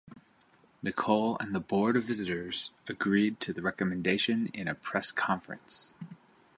Nichol and the Board of Visitors agreed to the recommendation in a press conference.